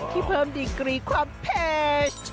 เพิ่มดีกรีความเผ็ด